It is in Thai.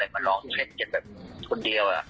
มาลองเช็ดจริงคนเดียว